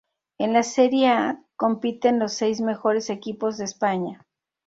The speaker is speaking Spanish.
En la "Serie A" compiten los seis mejores equipos de España.